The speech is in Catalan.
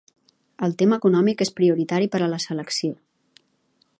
El tema econòmic és prioritari per a la selecció.